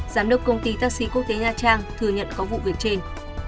giám đốc công ty taxi quốc tế nha trang thừa nhận có vụ việc trên